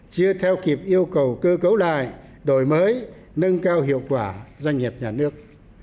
chưa theo kịp yêu cầu cơ cấu lại đổi mới nâng cao hiệu quả doanh nghiệp nhà nước